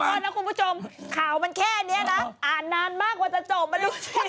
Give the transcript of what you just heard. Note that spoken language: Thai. อ่านนานมากกว่าจะจบมันรู้สิ